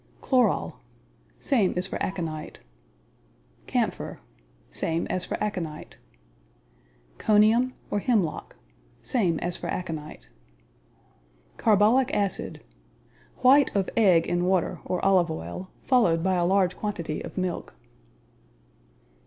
Chloral Same as for aconite. Camphor Same as for aconite. Conium (Hemlock) Same as for aconite. Carbolic Acid White of egg in water, or olive oil, followed by a large quantity of milk.